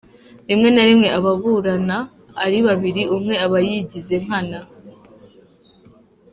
Rimwe na rimwe ababurana ari babiri umwe aba yigiza nkana.